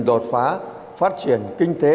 đột phá phát triển kinh tế